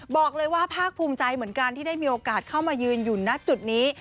บอกเลยว่าภาคภูมิใจเหมือนกันที่ได้มีโอกาสเข้ามายืนอยู่ณจุดนี้